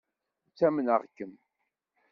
Ttamneɣ-kem.